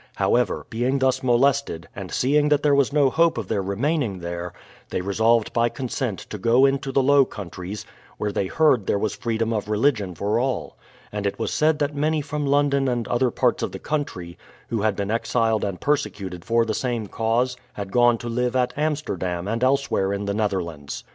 However, being thus molested, and seeing that there was no hope of their remaining there, they resolved by consent to go into the Low Countries, where they heard there was freedom of religion for all ; and it was said that many from London and other parts of the country, who had been exiled and perse cuted for the same cause, had gone to live at Amsterdam and elsewhere in the Netherlands.